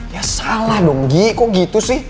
ya salah dong gi kok gitu sih